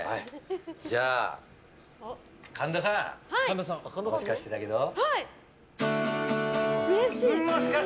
神田さん「もしかしてだけど」。